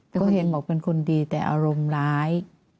เขาเห็นบอกเป็นคนดีแต่อารมณ์ร้าย